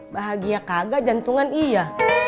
bahagia kagak jantungan iya